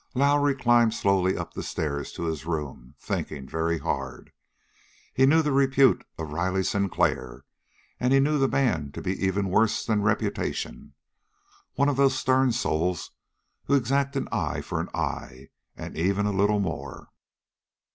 Lowrie climbed slowly up the stairs to his room, thinking very hard. He knew the repute of Riley Sinclair, and he knew the man to be even worse than reputation, one of those stern souls who exact an eye for an eye and even a little more.